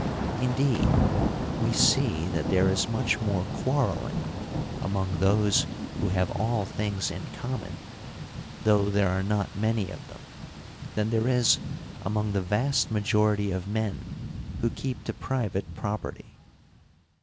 Indeed, we see that there is much more quarrelling among those who have all things in common, though there are not many of them, than there is among the vast majority of men who keep to private property.